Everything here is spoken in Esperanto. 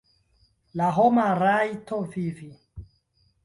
La homa rajto vivi.